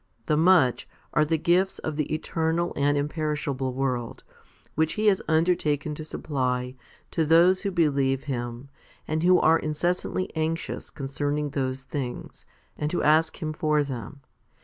The much are the gifts of the eternal and imperishable world, which He has undertaken to supply to those who believe Him, and who are incessantly anxious concerning those things, and who ask Him for them.